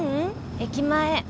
駅前。